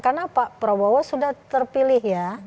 karena pak prabowo sudah terpilih ya